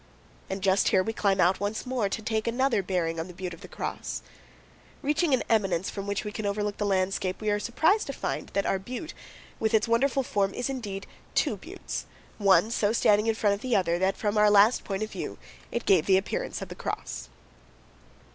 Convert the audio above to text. And just here we climb out once more, to take another bearing on The Butte of the Cross. Reaching an eminence from which we can overlook the landscape, we are surprised to find that our butte, with its wonderful form, is indeed two buttes, one so standing in front of the other that from our last point of view it gave the appearance of a cross.